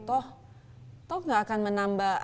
toh gak akan menambah